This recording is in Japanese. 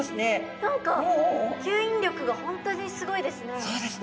何か吸引力が本当にすごいですね。